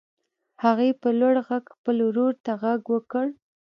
هغې په لوړ غږ خپل ورور ته غږ وکړ.